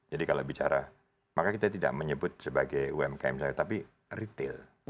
jadi kalau bicara maka kita tidak menyebut sebagai umkm saja tapi retail